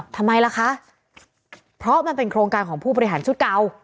ทำไมล่ะคะเพราะมันเป็นโครงการของผู้บริหารชุดเก่า